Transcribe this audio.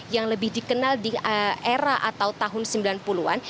yang lebih dikenal di era atau tahun sembilan puluh an